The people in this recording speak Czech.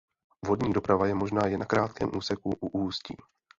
Vodní doprava je možná jen na krátkém úseku u ústí.